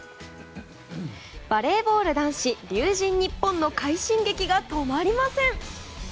バレーボール男子龍神ＮＩＰＰＯＮの快進撃が止まりません。